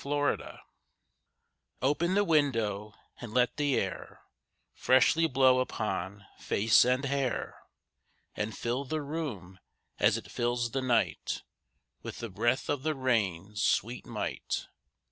Nelson] OPEN the window, and let the air Freshly blow upon face and hair, And fill the room, as it fills the night, With the breath of the rain's sweet might.